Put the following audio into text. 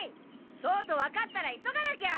そうと分かったら急がなきゃ！